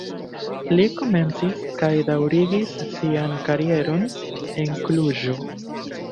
Li komencis kaj daŭrigis sian karieron en Kluĵo.